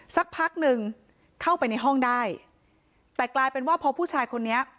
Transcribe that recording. สักพักหนึ่งเข้าไปในห้องได้แต่กลายเป็นว่าพอผู้ชายคนนี้